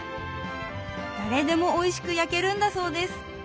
誰でもおいしく焼けるんだそうです。